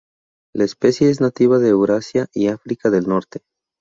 La especie es nativa de Eurasia y África del Norte.